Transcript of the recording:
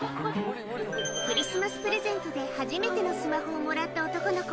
クリスマスプレゼントで初めてのスマホをもらった男の子。